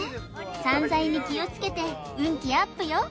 散財に気をつけて運気アップよ